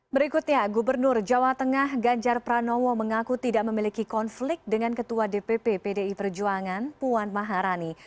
berikutnya gubernur jawa tengah ganjar pranowo mengaku tidak memiliki konflik dengan ketua dpp pdi perjuangan puan maharani